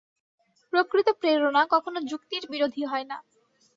প্রকৃত প্রেরণা কখনও যুক্তির বিরোধী হয় না।